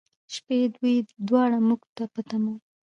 شپې، دوی دواړه موږ ته په تمه و.